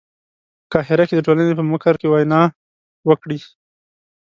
په قاهره کې د ټولنې په مقر کې وینا وکړي.